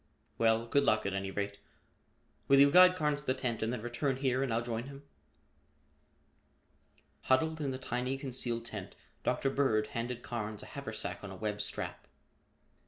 "Well, good luck at any rate. Will you guide Carnes to the tent and then return here and I'll join him?" Huddled in the tiny concealed tent, Dr. Bird handed Carnes a haversack on a web strap.